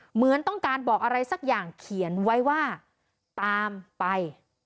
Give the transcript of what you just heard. เหมือนต้องการบอกอะไรสักอย่างเขียนไว้ว่าตามไป